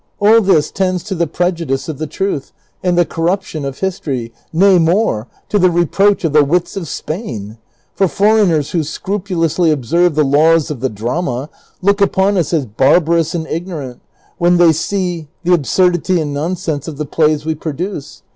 All this tends to the prejudice of the truth and the corruption of history, nay more, to the reproach of the wits of Spain ; for foreigners who scrupulously observe the laws of the drama ^ look upon us as barbarous and ignorant, when they see the absurdity and non sense of the plays we produce.